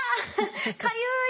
かゆい。